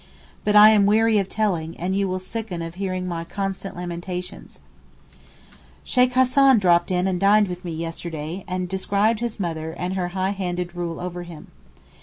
But I am weary of telling, and you will sicken of hearing my constant lamentations. Sheykh Hassan dropped in and dined with me yesterday and described his mother and her high handed rule over him.